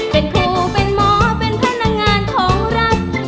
เป็นครูเป็นหมอเป็นพนักงานของรัฐ